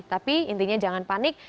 tapi intinya jangan panik